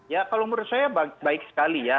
ya kalau menurut saya baik sekali ya